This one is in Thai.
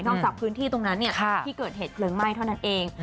จากพื้นที่ตรงนั้นที่เกิดเหตุเพลิงไหม้เท่านั้นเอง